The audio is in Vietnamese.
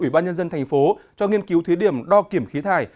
ủy ban nhân dân thành phố cho nghiên cứu thí điểm đo kiểm khí thải